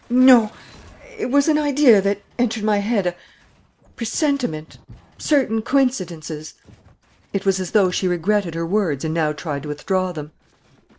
"No ... it was an idea that entered my head a presentiment ... certain coincidences " It was as though she regretted her words and now tried to withdraw them.